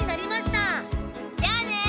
じゃあね！